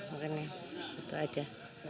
mungkin gitu aja